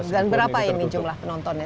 dan berapa ini jumlah penontonnya